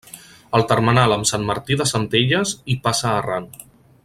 El termenal amb Sant Martí de Centelles hi passa arran.